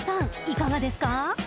いかがですか？］